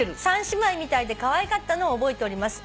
「３姉妹みたいでかわいかったのを覚えております」